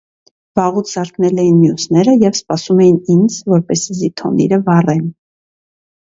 Վաղուց զարթնել էին մյուսները և սպասում էին ինձ, որպեսզի թոնիրը վառեն: